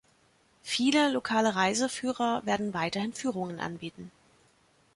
Viele lokale Reiseführer werden weiterhin Führungen anbieten.